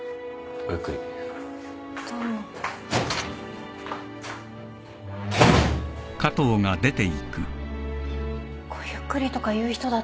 「ごゆっくり」とか言う人だったんですね。